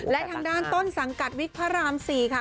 และทางด้านต้นสังกัดวิกพระราม๔ค่ะ